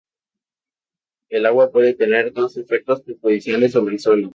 El agua puede tener dos efectos perjudiciales sobre el suelo.